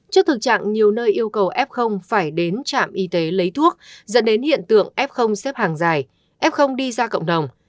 trước thực trạng nhiều nơi yêu cầu f phải đến trạm y tế lấy thuốc dẫn đến hiện tượng f xếp hàng dài f đi ra cộng đồng